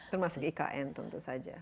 termasuk ikn tentu saja